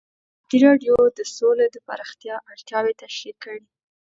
ازادي راډیو د سوله د پراختیا اړتیاوې تشریح کړي.